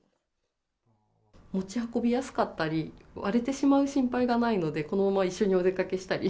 持ち運びやすかったり、割れてしまう心配がないので、このまま一緒にお出かけしたり。